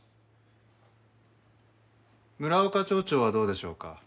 村岡町長はどうでしょうか？